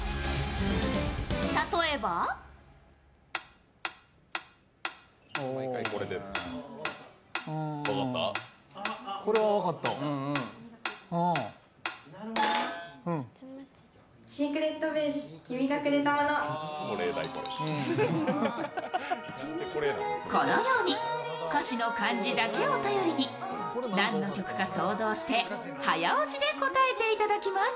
例えばこのように歌詞の漢字だけを頼りに何の曲か想像して早押しで答えていただきます。